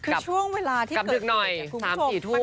กำจึกหน่อย๓๔ทุ่ม